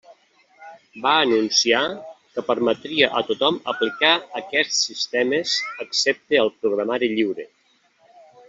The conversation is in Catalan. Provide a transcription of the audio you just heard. Va anunciar que permetria a tothom aplicar aquests sistemes excepte al programari lliure.